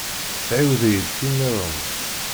Tɛiwed-iyi-d tin nniḍen.